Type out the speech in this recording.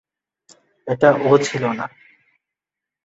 এটা ও ছিল না।